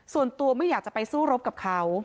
ส่วนตัวไม่อยากจะไปสู้รบกับเขา